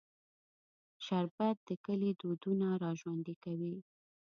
شربت د کلي دودونه راژوندي کوي